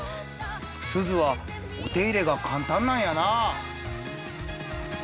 すずはお手入れが簡単なんやなあ。